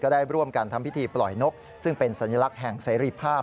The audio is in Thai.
ได้ร่วมกันทำพิธีปล่อยนกซึ่งเป็นสัญลักษณ์แห่งเสรีภาพ